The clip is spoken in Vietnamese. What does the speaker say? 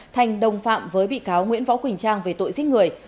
thành đồng phạm với bị cáo nguyễn võ quỳnh trang về tội giết người